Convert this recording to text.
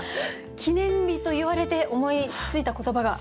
記念日と言われて思いついた言葉が。